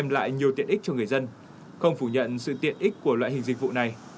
lại nhiều tiện ích cho người dân không phủ nhận sự tiện ích của loại hình dịch vụ này